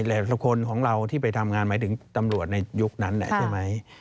หลายคนของเราที่ไปทำงานหมายถึงตำรวจในยุคนั้นแหละใช่ไหม